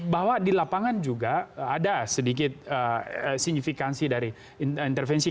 bahwa di lapangan juga ada sedikit signifikansi dari intervensi